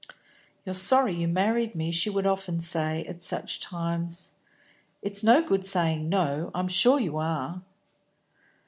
"You're sorry you married me," she would often say at such times. "It's no good saying no; I'm sure you are."